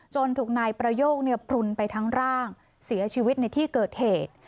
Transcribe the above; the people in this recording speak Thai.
ถูกนายประโยคพลุนไปทั้งร่างเสียชีวิตในที่เกิดเหตุ